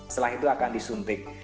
setelah itu akan disuntik